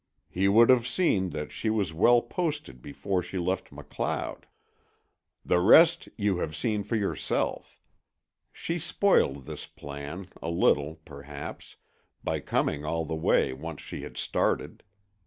He would have seen that she was well posted before she left MacLeod. "The rest you have seen for yourself. She spoiled his plan a little, perhaps, by coming all the way once she had started.